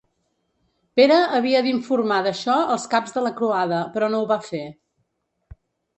Pere havia d'informar d'això als caps de la croada però no ho va fer.